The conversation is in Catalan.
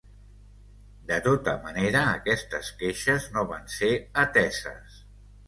De tota manera, aquestes queixes no van ser ateses.